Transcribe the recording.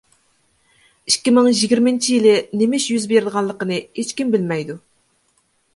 ئىككى مىڭ يىگىرمىنچى يىلى نېمە ئىش يۈز بېرىدىغانلىقىنى ھېچكىم بىلمەيدۇ.